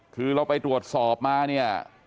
คือเราไปตรวจสอบมาเนี่ย